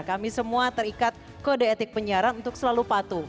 kami semua terikat kode etik penyiaran untuk selalu patuh